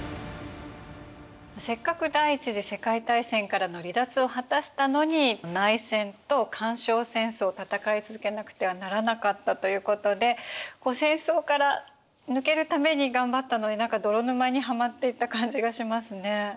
せっかく第一次世界大戦からの離脱を果たしたのに内戦と干渉戦争を戦い続けなくてはならなかったということで戦争から抜けるために頑張ったのに何か泥沼にはまっていった感じがしますね。